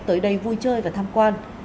tới đây vui chơi và tham quan